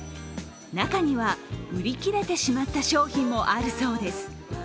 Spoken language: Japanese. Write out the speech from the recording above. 中には売り切れてしまった商品もあるそうです。